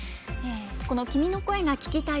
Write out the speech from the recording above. この「君の声が聴きたい」